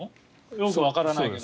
よくわからないけど。